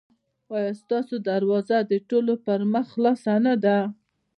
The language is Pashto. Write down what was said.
ایا ستاسو دروازه د ټولو پر مخ خلاصه نه ده؟